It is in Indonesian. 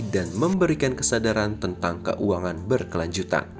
memberikan kesadaran tentang keuangan berkelanjutan